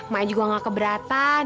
mai juga nggak keberatan